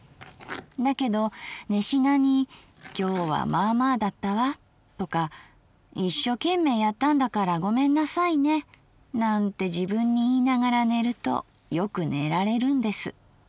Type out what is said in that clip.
だけど寝しなに『今日はまあまあだったわ』とか『一所懸命やったんだからごめんなさいね』なんて自分に言いながら寝るとよく寝られるんです。